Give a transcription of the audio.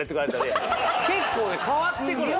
結構ね変わってくるの。